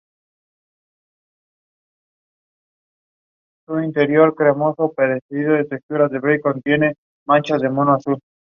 Este cráter está un poco erosionado, con un pequeño impacto en el borde noroeste.